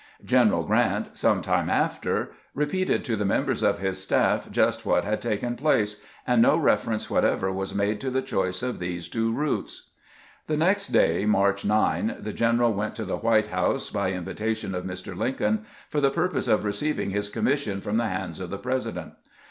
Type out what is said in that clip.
General Grant some time after repeated to members of his staff just what had taken place, and no reference whatever was made to the choice of these two routes. The next day, March 9, the general went to the White House, by invitation of Mr. Lincoln, for the purpose of receiving his commission from the hands of the Presi dent.